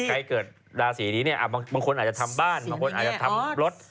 เกิดราศีนี้เนี่ยบางคนอาจจะทำบ้านบางคนอาจจะทำรถ